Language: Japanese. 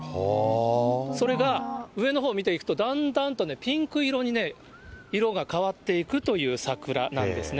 それが上のほう見ていくと、だんだんとピンク色にね、色が変わっていくという桜なんですね。